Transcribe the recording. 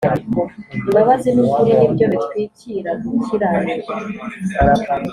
imbabazi n’ukuri ni byo bitwikīra gukiranirwa,